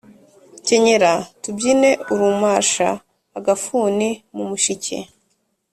Kenyera tubyine urumasha.-Agafuni mu mushike.